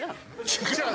違う。